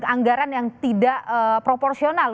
anggaran yang tidak proporsional